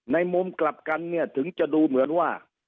มุมกลับกันเนี่ยถึงจะดูเหมือนว่า